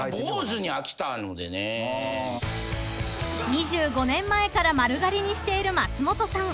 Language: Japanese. ［２５年前から丸刈りにしている松本さん］